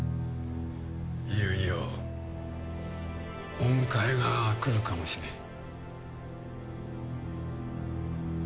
いよいよお迎えが来るかもしれん。